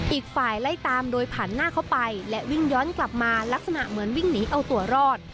อีกฝ่ายไล่ตามโดยผ่านหน้าเข้าไปและวิ่งย้อนกลับมาลักษณะเหมือนวิ่งหนีเอาตัวรอด